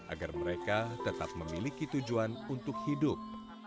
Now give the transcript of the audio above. agar mereka tetap memiliki tujuan untuk hidup